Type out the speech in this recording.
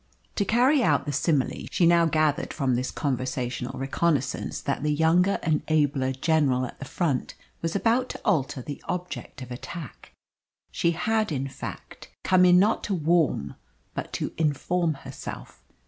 To carry out the simile, she now gathered from this conversational reconnaissance that the younger and abler general at the front was about to alter the object of attack. She had, in fact, come in not to warm, but to inform herself.